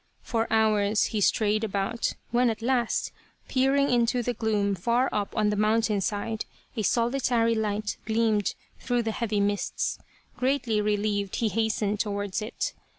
For hours he strayed about, when at last, peering into the gloom far up on the mountain side, a solitary light gleamed through the heavy mists. Greatly re lieved he hastened towards it.